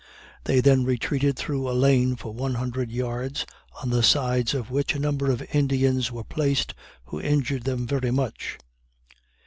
They then retreated through a lane for one hundred yards, on the sides of which a number of Indians were placed, who injured them very much."